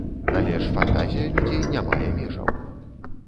Але ж фантазія людзей не мае межаў.